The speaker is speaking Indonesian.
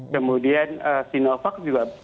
kemudian sinovac juga